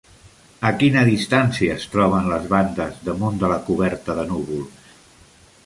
A quina distància es troben les bandes damunt de la coberta de núvols?